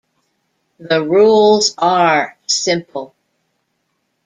The rules are simple.